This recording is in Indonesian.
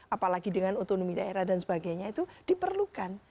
apalagi dengan otonomi daerah dan sebagainya itu diperlukan